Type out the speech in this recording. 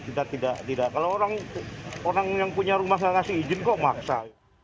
tidak tidak tidak kalau orang yang punya rumah gak ngasih izin kok maksa